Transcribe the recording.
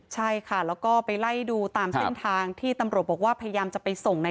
ใช่ค่ะแล้วก็ไปไล่ดูตามเส้นทางที่ตำรวจบอกว่าพยายามจะไปส่งใน